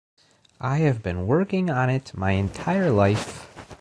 I have been working on it my entire life.